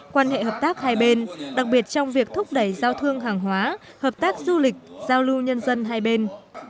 quan hệ hợp tác hai bên đặc biệt trong việc thúc đẩy giao thương hàng hóa hợp tác du lịch giao lưu nhân dân hai bên